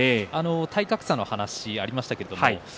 体格差の話がありました。